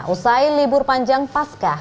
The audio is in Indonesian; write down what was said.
usai libur panjang pascah